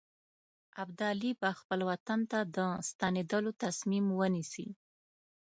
ابدالي به خپل وطن ته د ستنېدلو تصمیم ونیسي.